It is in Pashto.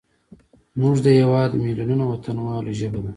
زموږ د هیواد میلیونونو وطنوالو ژبه ده.